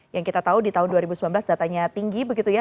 yang kita tahu di tahun dua ribu sembilan belas datanya tinggi begitu ya